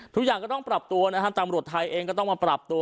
ทุกอย่างก็ต้องปรับตัวนะฮะตำรวจไทยเองก็ต้องมาปรับตัว